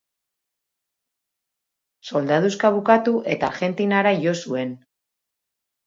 Soldaduska bukatu eta Argentinara jo zuen.